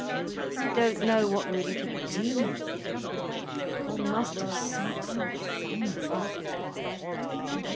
I don't know what really to do. One must do something somewhere."